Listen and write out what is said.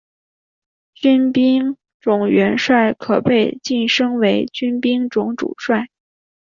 军兵种元帅可被晋升为军兵种主帅。